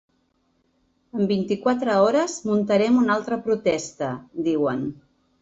En vint-i-quatre hores muntarem una altra protesta, diuen.